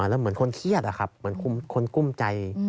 แล้วเหมือนคนเครียดอะครับเหมือนคนกุ้มใจ